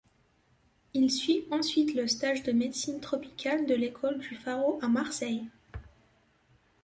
Il suit ensuite le stage de médecine tropicale de l’École du Pharo à Marseille.